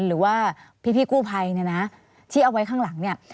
หรือว่าพี่กู้ไพรที่เอาไว้ข้างหลังนี่